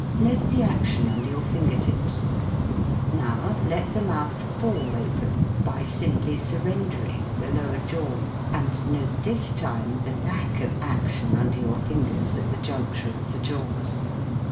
Note the action under your finger tips. Now let the mouth fall open, by simply surrender ing the lower jaw, and note this time the lack of action under your fingers, at the juncture of the jaws.